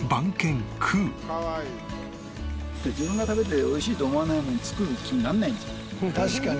自分が食べて美味しいと思わないもの作る気にならない。